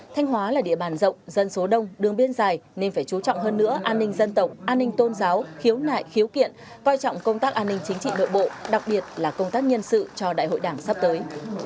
thanh hóa là địa bàn rộng dân số đông đường biên dài nên phải chú trọng hơn nữa an ninh dân tộc an ninh tôn giáo khiếu nại khiếu kiện coi trọng công tác an ninh chính trị nội bộ đặc biệt là công tác nhân sự cho đại hội đảng sắp tới